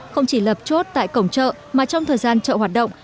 không chỉ lập chốt tại cổng chợ mà trong thời gian chợ hoạt động